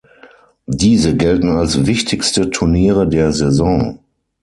Diese gelten als wichtigste Turniere der Saison.